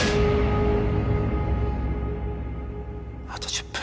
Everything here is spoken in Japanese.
あと１０分